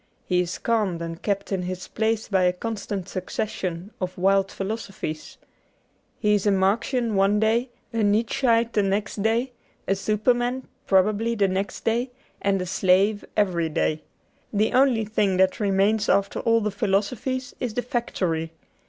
He is calmed and kept in his place by a constant succession of wild philo sophies. He is a Marxian one day, a Nietzscheite the next day, a Superman (probably) the next day, and a slave every day. The only thing that remains after all the philosophies is the factory.